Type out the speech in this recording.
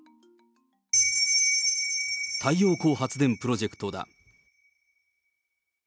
太陽光発電プロジェクトだ。